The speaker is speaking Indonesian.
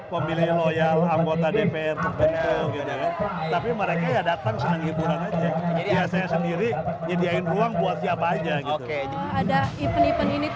pemilih loyal anggota dpr tapi mereka datang senang senang sendiri jadi ruang buat siapa aja